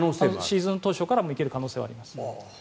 シーズン当初からいける可能性はあります。